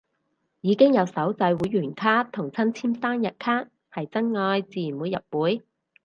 已經有手製會員卡同親簽生日卡，係真愛自然會入會